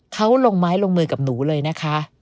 เขาลงไม้ลงมือกับหนูเลยนะคะ